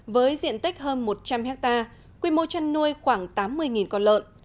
với diện tích hơn một trăm linh hectare quy mô chăn nuôi khoảng tám mươi con lợn